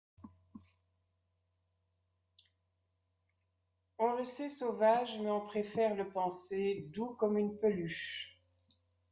On le sait sauvage mais on préfère le penser doux comme une peluche.